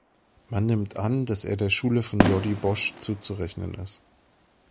Man nimmt an, dass er der Schule von Jordi Bosch zuzurechnen ist.